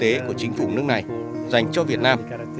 tôi đã tìm ra những vùng nước này dành cho việt nam